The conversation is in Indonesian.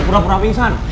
lo pernah pernah pingsan